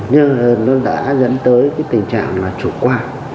nhưng nó đã dẫn tới cái tình trạng là chủ quan